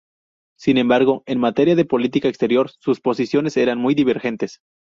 Sin embargo, en materia de política exterior sus posiciones eran muy divergentes.